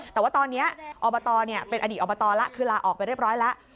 แต่ว่าตอนนี้อบตเป็นอดีตอบตแล้วคือลาออกไปเรียบร้อยแล้ว